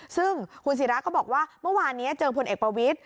ซึ่งคุณศิราก็บอกว่าเมื่อวานนี้เจอพลเอกประวิทธิ